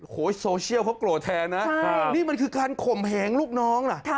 โอ้โหโซเชียลเขาโกรธแทนนะนี่มันคือการข่มแหงลูกน้องล่ะ